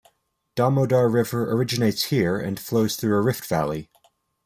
Damodar River originates here and flows through a rift valley.